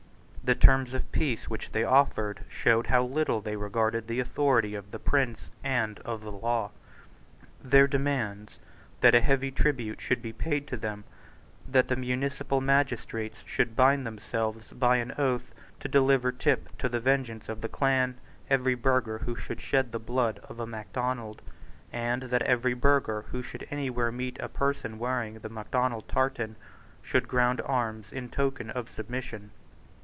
The terms of peace which they offered showed how little they regarded the authority of the prince and of the law. Their demand was that a heavy tribute should be paid to them, that the municipal magistrates should bind themselves by an oath to deliver tip to the vengeance of the clan every burgher who should shed the blood of a Macdonald, and that every burgher who should anywhere meet a person wearing the Macdonald tartan should ground arms in token of submission.